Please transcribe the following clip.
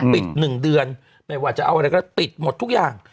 ๑เดือนไม่ว่าจะเอาอะไรก็ปิดหมดทุกอย่าง